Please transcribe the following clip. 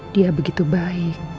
dia begitu baik